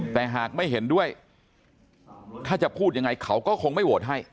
แต่หากไม่เห็นด้วยถ้าจะพูดยังไงเขาก็คงไม่โหวตให้